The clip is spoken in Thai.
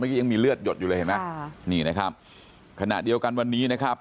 แทนเวลายังมีเลือดหยดอยู่เลยนะฮะนี่ผมคณะเดียวกันวันนี้นะครับ